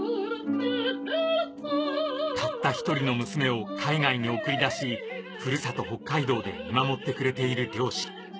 たった１人の娘を海外に送り出しふるさと北海道で見守ってくれている両親